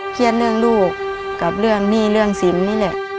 เครียดเรื่องลูกกับเรื่องหนี้เรื่องสินนี่แหละ